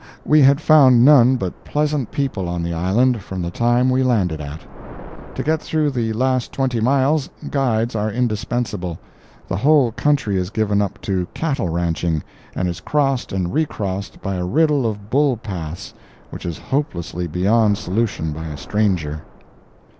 We had found none but pleasant people on the island, from the time we landed at. To get through the last twenty miles, guides are indispensable. The whole country is given up to cattle ranching, and is crossed and recrossed by a riddle of "bull paths" which is hopelessly beyond solution by a stranger.